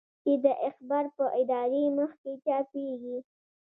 چې د اخبار په اداري مخ کې چاپېږي.